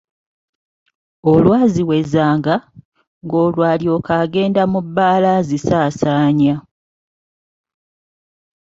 Olwaziwezanga, ng'olwo alyoka agenda mu bbaala azisaasaanya.